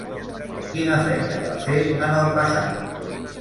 Quina feina va fer en el passat?